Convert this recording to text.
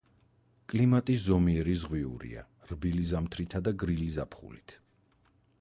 კლიმატი ზომიერი ზღვიურია, რბილი ზამთრითა და გრილი ზაფხულით.